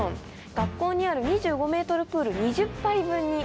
学校にある２５ｍプール２０杯分にあたるんです。